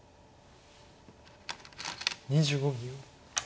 ２５秒。